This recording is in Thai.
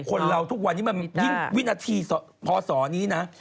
คนเราทุกวันนี้วินาทีพอสอนี้นะ